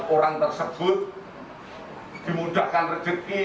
orang tersebut dimudahkan rejeki